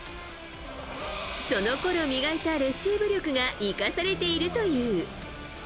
そのころ磨いたレシーブ力が生かされているという。